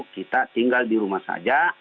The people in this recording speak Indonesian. kita tinggal di rumah saja